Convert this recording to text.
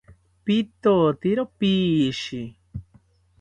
Pitotero pishi